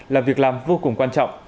là việc làm vô cùng quan trọng